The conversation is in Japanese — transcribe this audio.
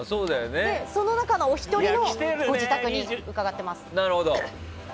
その中のお一人をご自宅に伺ってます。